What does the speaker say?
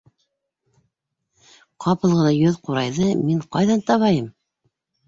Ҡапыл ғына йөҙ ҡурайҙы мин ҡайҙан табайым?